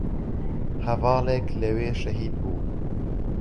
هەڤاڵێک لەوێ شەهید بوو